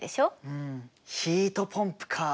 うんヒートポンプか。